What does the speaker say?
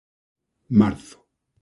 Marzo